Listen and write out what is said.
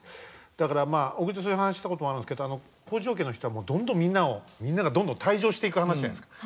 だからまあ小栗とそういう話したこともあるんですけど北条家の人はどんどんみんなをみんながどんどん退場していく話じゃないですか。